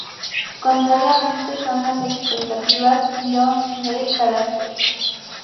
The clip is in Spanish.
Contrariamente a las expectativas, Ío no tenía cráteres.